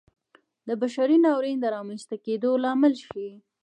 د بشري ناورین د رامنځته کېدو لامل شي.